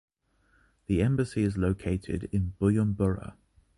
The Embassy is located in Bujumbura.